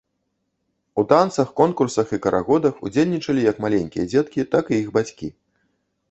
У танцах, конкурсах і карагодах удзельнічалі як маленькія дзеткі, так і іх бацькі.